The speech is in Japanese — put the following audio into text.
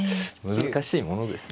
難しいものですね。